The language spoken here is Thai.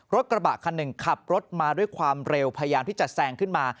รถกระบะคันหนึ่งขับรถมาด้วยความเร็วพยายามที่จะแซงขึ้นมา